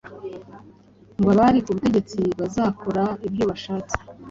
"Ngo abari ku butegetsi bazakora ibyo bashatse,